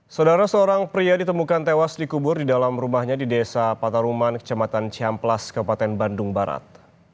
saudara seorang pria ditemukan tewas dikubur di dalam rumahnya di desa pataruman kecamatan cihamplas kabupaten bandung barat